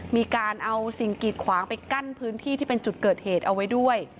มีการเอาสิ่งกีดขวางไปกั้นพื้นที่ที่เป็นจุดเกิดเหตุเอาไว้ด้วย